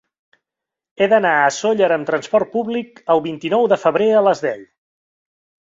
He d'anar a Sóller amb transport públic el vint-i-nou de febrer a les deu.